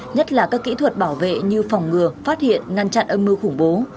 nhất là các kỹ thuật bảo vệ như phòng ngừa phát hiện ngăn chặn âm mưu khủng bố